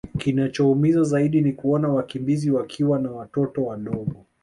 Kinachoumiza zaidi ni kuona wakimbizi wakiwa na watoto wadogo